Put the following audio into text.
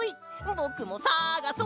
ぼくもさがそ！